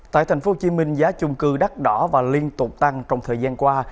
tại thành phố hồ chí minh giá chung cư đắt đỏ và liên tục tăng trong thời gian qua